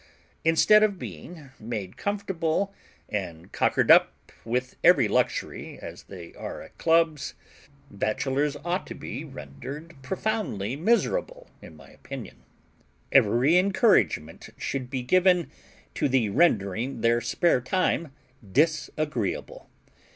Instead of being made comfortable, and cockered up with every luxury, as they are at Clubs, bachelors ought to be rendered profoundly miserable, in my opinion. Every encouragement should be given to the rendering their spare time disagreeable.